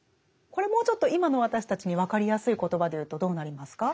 これもうちょっと今の私たちに分かりやすい言葉で言うとどうなりますか？